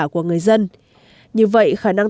của người dân như vậy khả năng